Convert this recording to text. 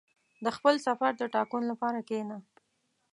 • د خپل سفر د ټاکلو لپاره کښېنه.